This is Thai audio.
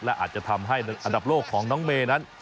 และอาจจะทำให้อันดับโลกของน้องเมย์นั้น